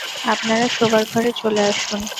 আপনারা শোবার ঘরে চলে আসুন।